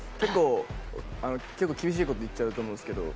結構厳しいこと言っちゃうと思うんですけど。